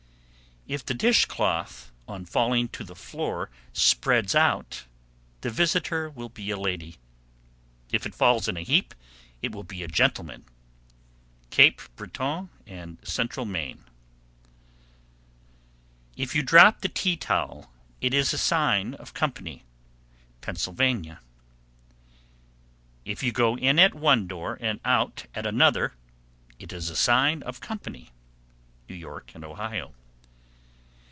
_ 748. If the dish cloth on falling to the floor spreads out, the visitor will be a lady; if it falls in a heap, it will be a gentleman. Cape Breton and Central Maine. 749. If you drop the tea towel, it is a sign of company. Pennsylvania. 750. If you go in at one door and out at another, it is a sign of company. _New York and Ohio.